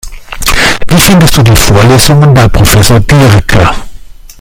Wie findest du die Vorlesungen bei Professor Diercke?